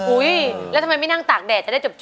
อุ๊ยแล้วทำไมไม่นั่งตากแดดจะได้จบ